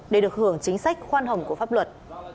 để được hưởng chính sách khoan hồng của pháp luật